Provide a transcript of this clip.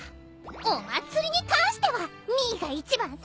お祭りに関してはミーが一番さ！